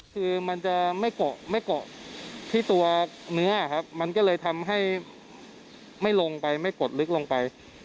คือมันจะไม่กดที่ตัวเนื้อมันก็เลยทำให้ไม่ลงไปไม่กดลึกลงไป